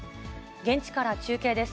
現地から中継です。